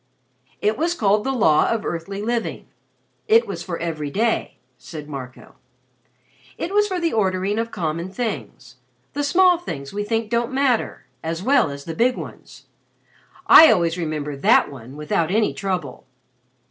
"It was called the Law of Earthly Living. It was for every day," said Marco. "It was for the ordering of common things the small things we think don't matter, as well as the big ones. I always remember that one without any trouble.